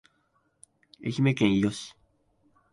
愛媛県伊予市